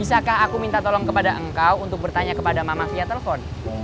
bisakah aku minta tolong kepada engkau untuk bertanya kepada mama via telepon